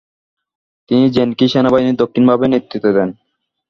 তিনি জেনগি সেনাবাহিনীর দক্ষিণভাগের নেতৃত্ব দেন।